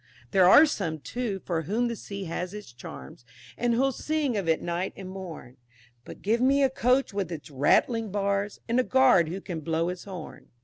There are some, too, for whom the sea has its charms And who'll sing of it night and morn, But give me a Coach with its rattling bars And a Guard who can blow his horn.